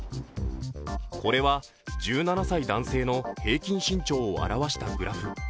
これは１７歳男性の平均身長を表したグラフ。